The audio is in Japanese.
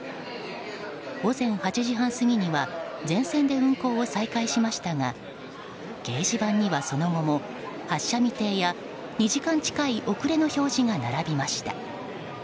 午前８時半過ぎには全線で運行を再開しましたが掲示板には、その後も発車未定や２時間近い遅れの表示が並びました。